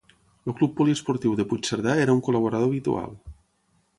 El Club Poliesportiu de Puigcerdà era un col·laborador habitual.